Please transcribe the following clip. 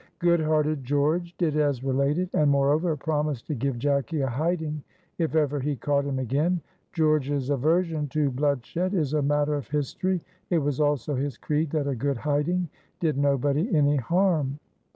Good hearted George did as related, and moreover promised to give Jacky a hiding if ever he caught him again. George's aversion to bloodshed is matter of history; it was also his creed that a good hiding did nobody any harm.